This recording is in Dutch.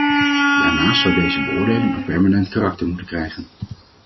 Daarnaast zou deze beoordeling een permanent karakter moeten krijgen.